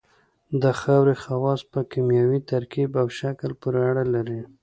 د خاورې خواص په کیمیاوي ترکیب او شکل پورې اړه لري